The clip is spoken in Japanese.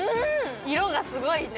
色がすごいね。